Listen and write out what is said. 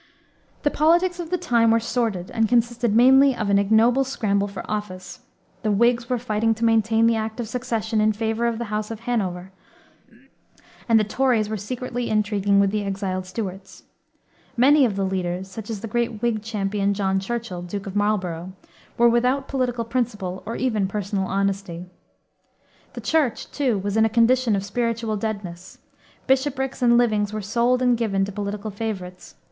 The politics of the time were sordid and consisted mainly of an ignoble scramble for office. The Whigs were fighting to maintain the Act of Succession in favor of the House of Hanover, and the Tories were secretly intriguing with the exiled Stuarts. Many of the leaders, such as the great Whig champion, John Churchill, Duke of Marlborough, were without political principle or even personal honesty. The Church, too, was in a condition of spiritual deadness. Bishoprics and livings were sold and given to political favorites.